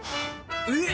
えっ！